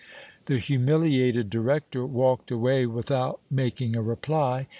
The humiliated director walked away without making a reply.